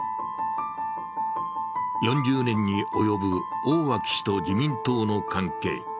４０年に及ぶ大脇氏と自民党の関係。